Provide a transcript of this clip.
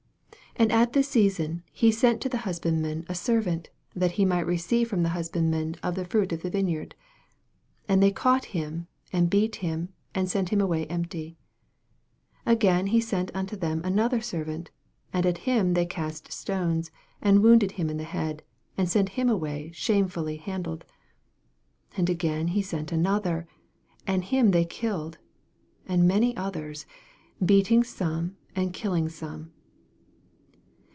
2 And at the season he sent to the husbandmen a servant, that he might receive from the husbandmen of the fruit of the vineyard. 8 And they caught him, and beat him, and sent him away empty. 4 And agaiu lie sent unto them an other servant ; and at him they cast stones, and wounded him in the head, and sent him away shamefully hand led. 5 And again he sent another ; and him they killed, and many others ; beating some and killing some.